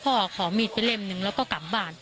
เป็นปกติภายในบ้าน